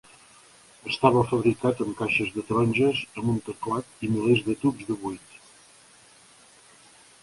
Estava fabricat amb caixes de taronges amb un teclat i milers de tubs de buit!